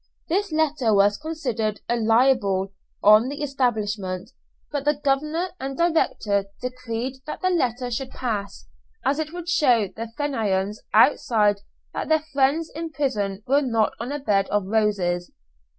This letter was considered a libel on the establishment, but the governor and director decreed that the letter should pass, as it would show the Fenians outside that their friends in prison were not on a bed of roses.